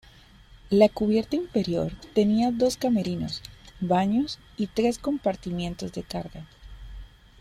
La cubierta inferior tenía dos camerinos, baños y tres compartimientos de carga.